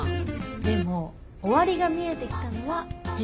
でも終わりが見えてきたのは事実だね。